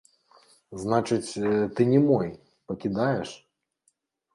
Значыць, ты не мой, пакідаеш?